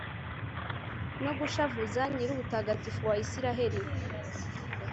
no gushavuza nyir'ubutagatifu wa israheli